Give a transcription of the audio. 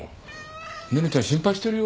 ネネちゃん心配してるよ。